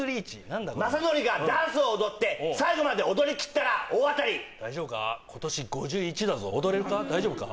何だこれは雅紀がダンスを踊って最後まで踊りきったら大当たり大丈夫か今年５１だぞ踊れるか大丈夫か？